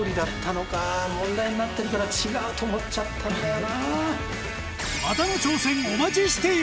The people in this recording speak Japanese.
問題になってるから違うと思っちゃったんだよな。